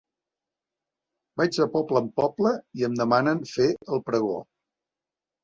Vaig de poble en poble i em demanen fer el pregó.